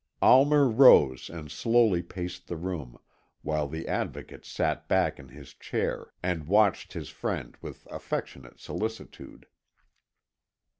Almer rose and slowly paced the room, while the Advocate sat back in his chair, and watched his friend with affectionate solicitude.